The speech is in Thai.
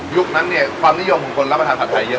นั้นเนี่ยความนิยมของคนรับประทานผัดไทยเยอะ